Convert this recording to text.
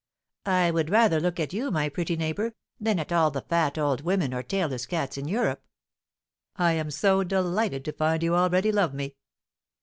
"I would rather look at you, my pretty neighbour, than at all the fat old women or tailless cats in Europe. I am so delighted to find you already love me."